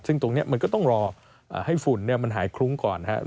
ซึ่งตรงนี้มันก็ต้องรอให้ฝุ่นมันหายคลุ้งก่อนนะครับ